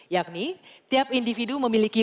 yakni tiap individu memiliki